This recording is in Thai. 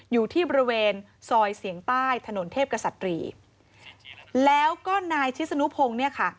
อยู่ที่บริเวณซอยเสียงใต้ถนนเทพกษัตรีแล้วก็นายชิศนุพงศ์เนี่ยค่ะ